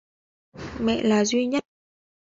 Mẹ là duy nhất